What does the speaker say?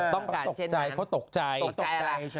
ต้องการเช่นมันตกใจตกใจอะไรตกใจอะไร